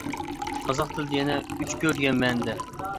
قازاق تىلىدا يەنە «ئۈچ كۆل» دېگەن مەنىدە.